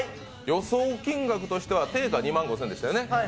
予想金額としては定価２万５０００円でしたよね？